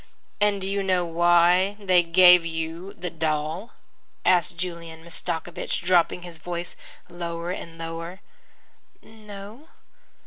"And do you know why they gave you the doll?" asked Julian Mastakovich, dropping his voice lower and lower. "No."